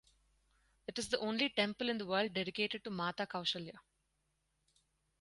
It is the only temple in the world dedicated to Mata Kaushalya.